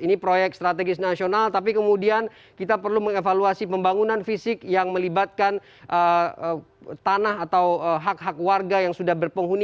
ini proyek strategis nasional tapi kemudian kita perlu mengevaluasi pembangunan fisik yang melibatkan tanah atau hak hak warga yang sudah berpenghuni